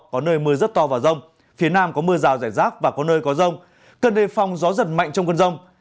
có nơi mưa rất to và rông phía nam có mưa rào rải rác và có nơi có rông cần đề phòng gió giật mạnh trong cơn rông